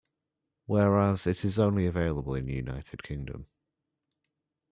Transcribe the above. Whereas it is only available in United Kingdom.